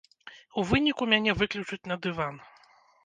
У выніку мяне выклічуць на дыван.